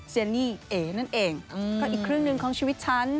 เนนี่เอ๋นั่นเองก็อีกครึ่งหนึ่งของชีวิตฉัน